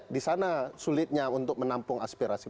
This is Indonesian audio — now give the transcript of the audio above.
disana sulitnya untuk menampung aspirasi